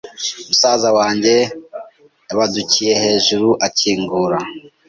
Musaza wanjye yabadukiye hejuru akingura